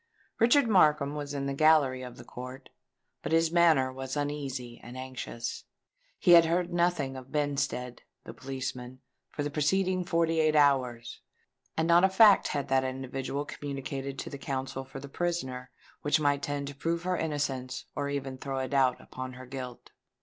Richard Markham was in the gallery of the court; but his manner was uneasy and anxious:—he had heard nothing of Benstead, the policeman, for the preceding forty eight hours; and not a fact had that individual communicated to the counsel for the prisoner which might tend to prove her innocence or even throw a doubt upon her guilt!